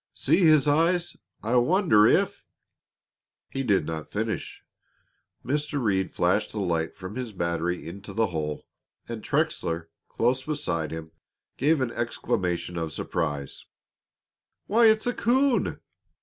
"See his eyes! I wonder if " He did not finish. Mr. Reed flashed the light from his battery into the hole, and Trexler, close beside him, gave an exclamation of surprise. "Why, it's a coon!"